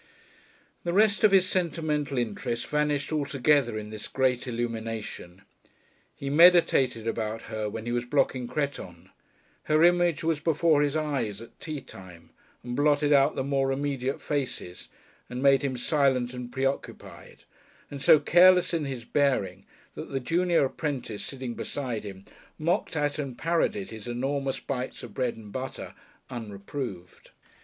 The rest of his sentimental interests vanished altogether in this great illumination. He meditated about her when he was blocking cretonne; her image was before his eyes at tea time, and blotted out the more immediate faces, and made him silent and preoccupied, and so careless in his bearing that the junior apprentice, sitting beside him, mocked at and parodied his enormous bites of bread and butter unreproved.